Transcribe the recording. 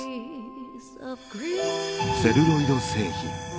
「セルロイド製品」。